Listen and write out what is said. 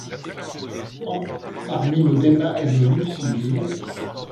Quand parmi nos débats et nos luttes civiles